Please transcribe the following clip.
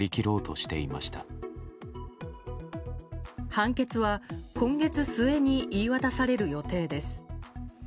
判決は今月末に言い渡される予定です。